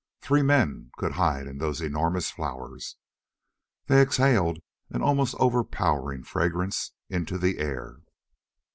Three men could hide in those enormous flowers. They exhaled an almost overpowering fragrance into the air.